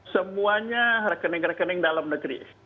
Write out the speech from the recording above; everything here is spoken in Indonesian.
semuanya rekening rekening dalam negeri